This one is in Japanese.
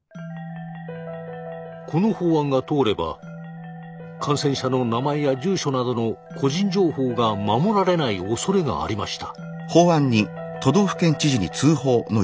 この法案が通れば感染者の名前や住所などの個人情報が守られないおそれがありました。